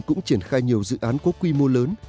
cũng triển khai nhiều dự án có quy mô lớn